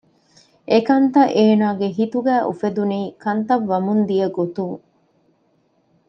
އެކަންތައް އޭނަގެ ހިތުގައި އުފެދުނީ ކަންތައް ވަމުން ދިޔަ ގޮތުން